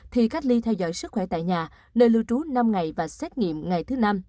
thì cách ly theo dõi sức khỏe tại nhà nơi lưu trú năm ngày và xét nghiệm ngày thứ năm